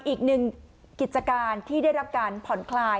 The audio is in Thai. อีกหนึ่งกิจการที่ได้รับการผ่อนคลาย